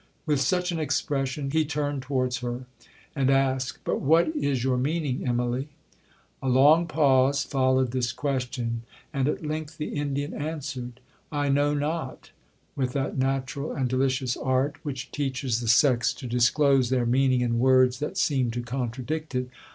With such an expression he turned towards her, and asked, 'But what is your meaning, Immalee?'—A long pause followed this question, and at length the Indian answered, 'I know not,' with that natural and delicious art which teaches the sex to disclose their meaning in words that seem to contradict it.